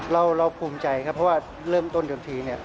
เราภูมิใจครับเพราะว่าเริ่มต้นเดิมทีเนี่ย